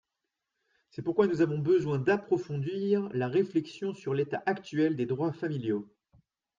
C’est pourquoi nous avons besoin d’approfondir la réflexion sur l’état actuel des droits familiaux.